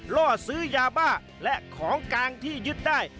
ล่อซื้อยาบ้าและของกลางที่ยึดได้